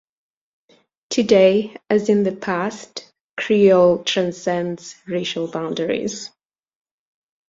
Today, as in the past, Creole transcends racial boundaries.